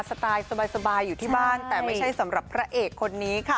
สไตล์สบายอยู่ที่บ้านแต่ไม่ใช่สำหรับพระเอกคนนี้ค่ะ